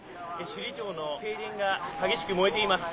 首里城の正殿が激しく燃えています。